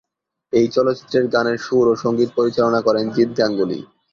এই চলচ্চিত্রের গানের সুর ও সঙ্গীত পরিচালনা করেন জিৎ গাঙ্গুলী।